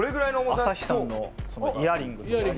朝日さんのイヤリングとか。